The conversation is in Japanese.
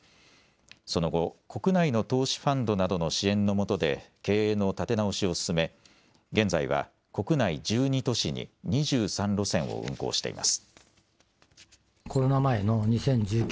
その後、国内の投資ファンドなどの支援のもとで経営の立て直しを進め現在は国内１２都市に２３路線を運航しています。